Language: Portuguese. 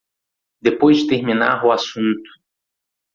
Depois de terminar o assunto